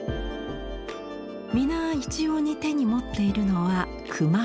皆一様に手に持っているのは熊手。